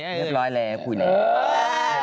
เรียบร้อยแล้วคุยแล้ว